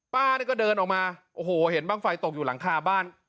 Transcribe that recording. ป้านี่ก็เดินออกมาโอ้โหเห็นบ้างไฟตกอยู่หลังคาบ้าน